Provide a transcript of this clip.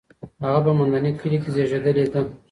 هغه په مندني کلي کې زېږېدلې ده.